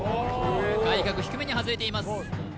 外角低めに外れています